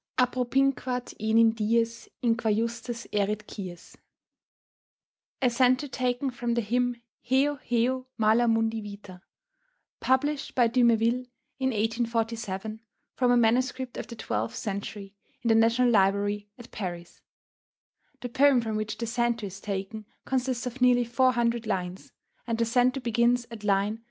APPROPINQUAT ENIM DIES IN QUA JUSTES ERIT QUIES A cento taken from the hymn, Heu! Heu! mala mundi vita, published by Du Mévil in 1847, from a MS. of the twelfth century, in the National Library at Paris. The poem from which the cento is taken consists of nearly four hundred lines, and the cento begins at line 325.